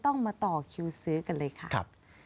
ต้องมาต่อคิวซื้อกันเลยค่ะ